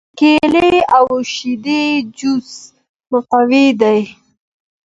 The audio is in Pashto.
د کیلې او شیدو جوس مقوي دی.